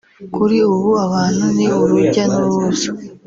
kuri ubu abantu ni urujya n’uruza